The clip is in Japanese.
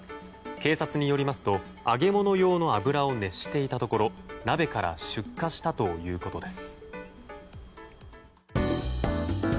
警察によりますと揚げ物用の油を熱していたところ鍋から出火したということです。